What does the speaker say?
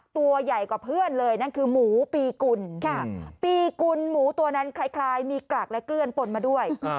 ตัวใหญ่กว่าเพื่อนเลยนั่นคือหมูปีกุลปีกุลหมูตัวนั้นคล้ายมีกลักและเกลือนปนมาด้วย